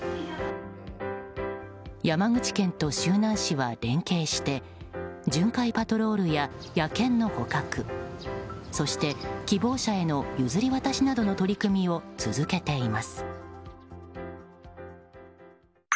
山口県と周南市は連携して巡回パトロールや野犬の捕獲そして希望者への譲り渡しなどの取り組みを続けています。